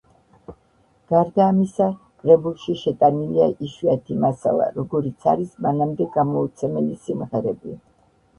გარდა ამისა, კრებულში შეტანილია იშვიათი მასალა, როგორიც არის მანამდე გამოუცემელი სიმღერები.